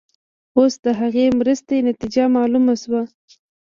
اوس د هغې مرستې نتیجه معلومه شوه.